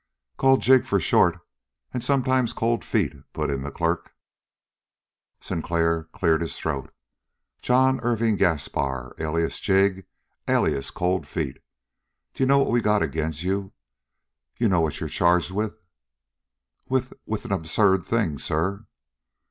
"Called Jig for short, and sometimes Cold Feet," put in the clerk. Sinclair cleared his throat. "John Irving Gaspar, alias Jig, alias Cold Feet, d'you know what we got agin' you? Know what you're charged with?" "With with an absurd thing, sir."